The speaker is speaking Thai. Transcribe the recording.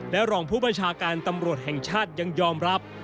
และรองผู้บัญชาการตำรวจแห่งชาติยังยอมรับ